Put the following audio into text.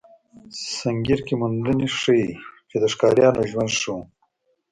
سنګیر کې موندنې ښيي، چې د ښکاریانو ژوند ښه و.